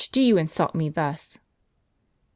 do you insult me thus ?